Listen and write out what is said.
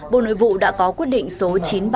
bộ nội vụ đã có quyết định số chín trăm ba mươi